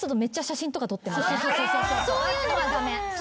そういうのは駄目。